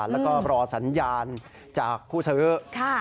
แล้วก็รอสัญญาณจากผู้ซื้อ